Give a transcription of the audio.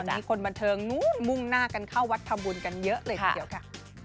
ตอนนี้คนบันเทิงมุ่งหน้ากันเข้าวัดทำบุญกันเยอะเลยเดี๋ยวค่ะ